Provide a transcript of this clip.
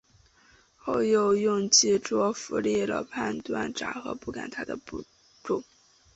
后又用计捉拿俘虏了叛将札合敢不和他的部众。